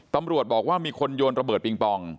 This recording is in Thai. ตำรวจบอกว่ามีคนโยนระเบิดปิงปอง